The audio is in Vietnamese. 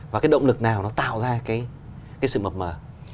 và cái động lực nào nó tạo ra cái sự mập mở